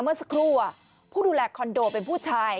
เมื่อสักครู่ผู้ดูแลคอนโดเป็นผู้ชาย